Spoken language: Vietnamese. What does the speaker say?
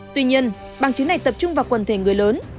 tuy nhiên bằng chứng này tập trung vào quần thể người lớn